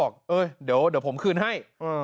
เดี๋ยวผมคืนให้